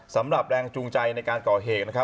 สำหรับแรงจูงใจในการก่อเหก